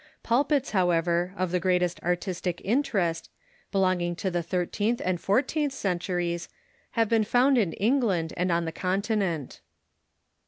Pulpits, however, of the greatest artistic interest, belonging to tlie thirteenth and fourteenth centuries, have been found in England and on the Continent.